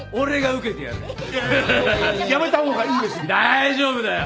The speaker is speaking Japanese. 大丈夫だよ。